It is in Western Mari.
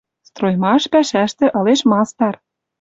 Строймаш пӓшӓштӹ ылеш мастар.